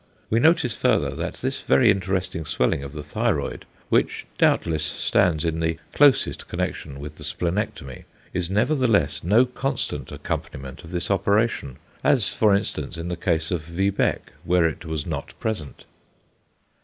We notice further that this very interesting swelling of the thyroid, which doubtless stands in the closest connection with the splenectomy, is nevertheless no constant accompaniment of this operation, as for instance in the case of v. Beck, where it was not present.